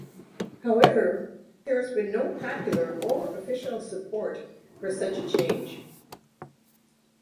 However, there has been no popular or official support for such a change.